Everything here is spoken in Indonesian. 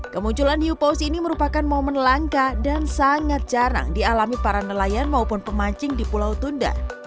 kemunculan hiu paus ini merupakan momen langka dan sangat jarang dialami para nelayan maupun pemancing di pulau tunda